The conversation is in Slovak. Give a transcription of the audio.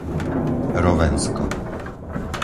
Rovensko